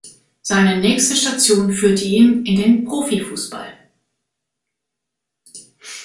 Seine nächste Station führte ihn in den Profifußball.